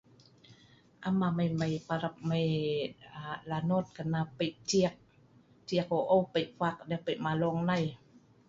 Am amai mai parap mai s'lanot kerana pei' ciek. Ciek ou' ou' pei' puak ngan pei balong nei.